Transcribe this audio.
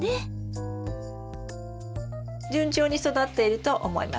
順調に育っていると思います。